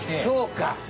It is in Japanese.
そうか。